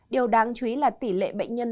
điều đáng chú ý là tỷ lệ bệnh nhân